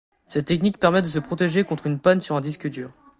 Cette technique permet de se protéger contre une panne sur un disque dur.